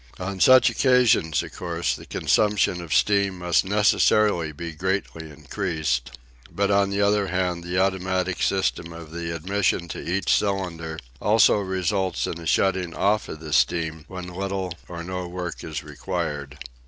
On such occasions, of course, the consumption of steam must necessarily be greatly increased; but on the other hand the automatic system of the admission to each cylinder also results in a shutting off of the steam when little or no work is required.